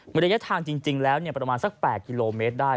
บริเวณยัทธังเฉพาะ๘กิโลเมตรได้